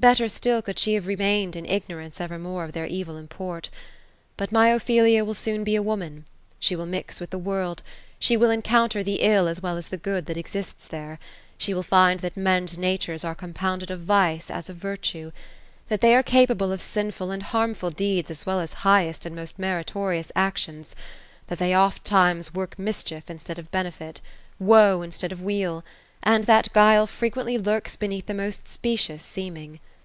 Better still could she have remained in ignorance evermore of their evil import But my Ophelia will soon be a woman ; she will mix with the world ; she will encounter the ill, as well as the good, that exists there; she will find that men*s natures are compounded' of vice as of virtue ; that they are capable of sinful and harmful deeds, as well as highest and most meritorious actions ; that they ofttimes work mischief instead of benefit; woe instead of weal; and that guile frequently lurks beneath the most specious seeming.